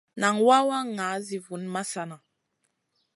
Nan wawa ŋa zi vun masana.